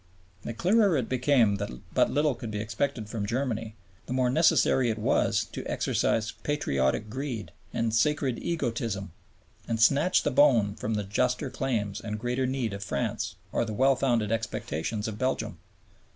The clearer it became that but little could be expected from Germany, the more necessary it was to exercise patriotic greed and "sacred egotism" and snatch the bone from the juster claims and greater need of France or the well founded expectations of Belgium.